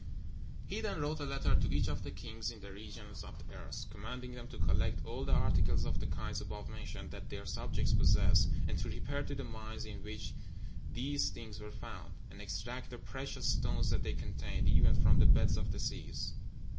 "'He then wrote a letter to each of the kings in the regions of the earth, commanding them to collect all the articles of the kinds above mentioned that their subjects possessed, and to repair to the mines in which these things were found, and extract the precious stones that they contained, even from the beds of the seas.